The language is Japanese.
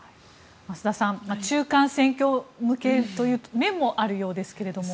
増田さん、中間選挙向けという面もあるようですけど。